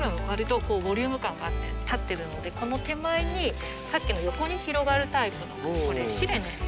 わりとボリューム感があって立ってるのでこの手前にさっきの横に広がるタイプのこれシレネ。